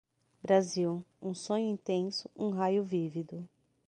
Brasil, um sonho intenso, um raio vívido